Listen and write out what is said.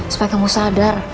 supaya kamu sadar